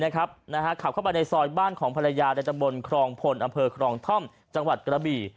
ขับเข้าไปในซอยบ้านของภรรยาในตำบลครองพลอำเภอครองท่อมจังหวัดกระบี่